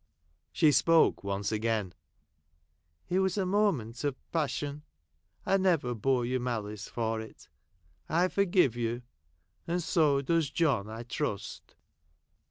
She spoke once again :— "It was a moment of passion — I never bore you malice for it. I forgive you — and so does John, I trust."